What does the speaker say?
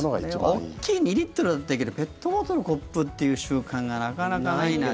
大きい２リットルだったらいいけどペットボトルをコップっていう習慣がなかなかないな。